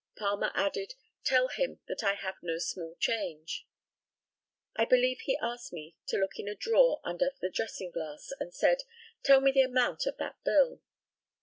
Palmer added, "Tell him that I have no small change." I believe he asked me to look in a drawer under the dressing glass, and said, "Tell me the amount of that bill."